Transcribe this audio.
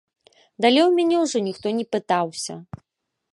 Далей у мяне ўжо ніхто не пытаўся.